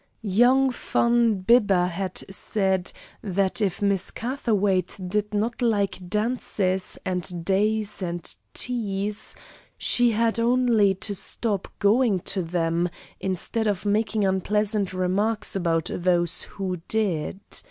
Young Van Bibber had said that if Miss Catherwaight did not like dances and days and teas, she had only to stop going to them instead of making unpleasant remarks about those who did.